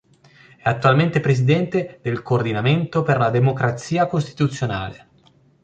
È attualmente presidente del Coordinamento per la Democrazia costituzionale.